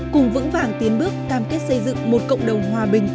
cùng vững vàng tiến bước cam kết xây dựng một cộng đồng hòa bình